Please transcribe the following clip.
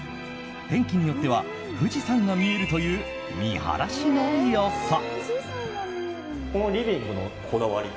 天気によっては富士山が見えるという見晴らしの良さ。